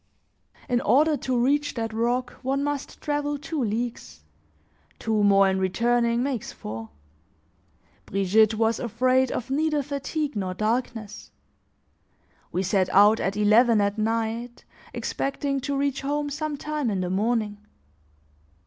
In order to reach that rock, one must travel two leagues; two more in returning makes four. Brigitte was afraid of neither fatigue nor darkness. We set out at eleven at night, expecting to reach home some time in the morning.